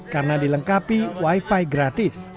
karena dilengkapi wifi gratis